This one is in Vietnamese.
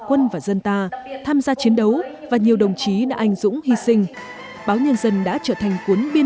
đất nước tham gia chiến đấu và nhiều đồng chí đã anh dũng hy sinh báo nhân dân đã trở thành cuốn biên